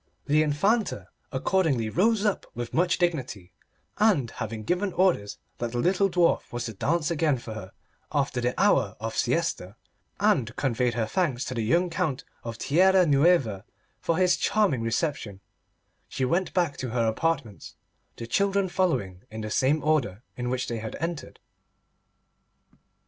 The Infanta accordingly rose up with much dignity, and having given orders that the little dwarf was to dance again for her after the hour of siesta, and conveyed her thanks to the young Count of Tierra Nueva for his charming reception, she went back to her apartments, the children following in the same order in which they had entered.